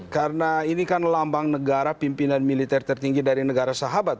karena ini kan lambang negara pimpinan militer tertinggi dari negara sahabat